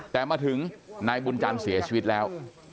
แต่มาถึงนายบุญจันทร์เสียชีวิตแล้ว